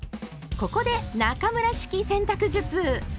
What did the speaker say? ここで中村式洗濯術！